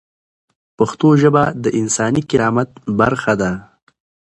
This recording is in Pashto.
پښتو ژبه د انساني کرامت برخه ده.